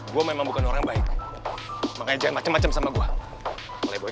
gue memang bukan orang baik mengajak macam macam sama gue